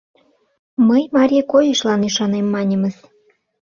— Мый марий койышлан ӱшанем, маньымыс.